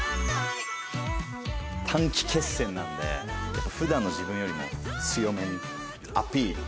短期決戦なので普段の自分よりも強めにアピール。